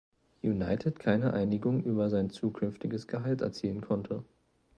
United keine Einigung über sein zukünftiges Gehalt erzielen konnte.